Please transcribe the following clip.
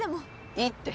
いいって。